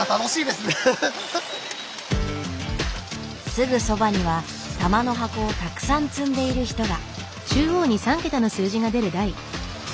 すぐそばには玉の箱をたくさん積んでいる人が。